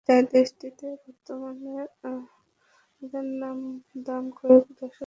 তাই দেশটিতে বর্তমানে আদার দাম কয়েক দশকের মধ্যে সর্বোচ্চ পর্যায়ে চলে এসেছে।